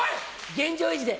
現状維持で。